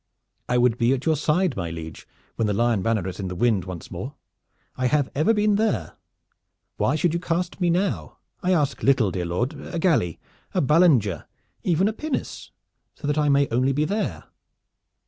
"I would be at your side, my liege, when the lion banner is in the wind once more. I have ever been there. Why should you cast me now? I ask little, dear lord a galley, a balinger, even a pinnace, so that I may only be there."